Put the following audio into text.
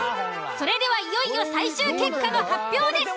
それではいよいよ最終結果の発表です。